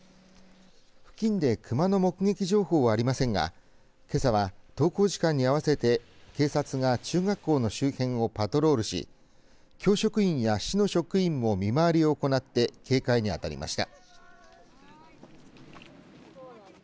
付近で熊の目撃情報はありませんがけさは登校時間に合わせて警察が中学校の周辺をパトロールし教職員や市の職員も見回りを行って警戒に当たりました。